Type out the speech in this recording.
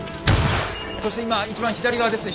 そして今一番左側ですね